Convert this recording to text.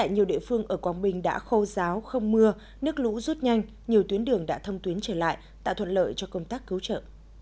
nước lũ rút nhanh nhiều tuyến đường đã thông tuyến trở lại tạo thuận lợi cho công tác cứu trợ